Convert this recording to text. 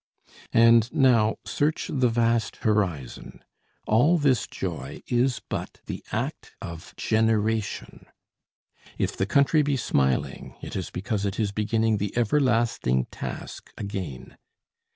And, now, search the vast horizon. All this joy is but the act of generation. If the country be smiling, it is because it is beginning the everlasting task again.